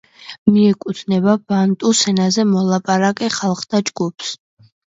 მიეკუთვნება ბანტუს ენაზე მოლაპარაკე ხალხთა ჯგუფს.